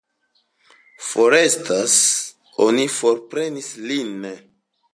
Forestas, oni forprenis lin.